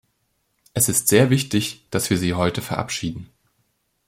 Es ist sehr wichtig, dass wir sie heute verabschieden.